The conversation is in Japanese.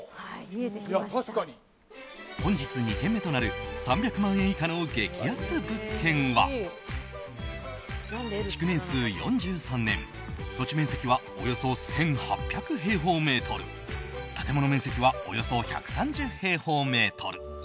本日２軒目となる３００万円以下の激安物件は築年数４３年土地面積はおよそ１８００平方メートル建物面積はおよそ１３０平方メートル。